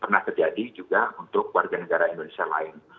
pernah terjadi juga untuk warga negara indonesia lain